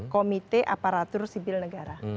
komite aparatur sibil negara